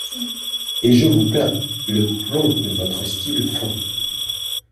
Et je vous plains. Le plomb de votre style fond